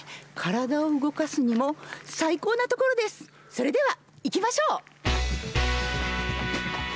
それでは行きましょう！